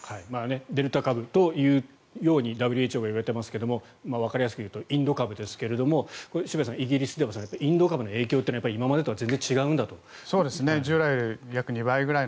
デルタ株というようにＷＨＯは言われていますがわかりやすく言うとインド株ですけれども渋谷さん、イギリスではインド株の影響は今までとは全然違うんだと。